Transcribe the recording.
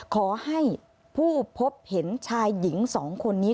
ขอให้ผู้พบเห็นชายหญิง๒คนนี้